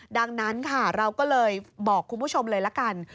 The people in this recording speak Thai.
ดังนั้นค่ะเราก็เลยบอกคุณผู้ชมเลยละกัน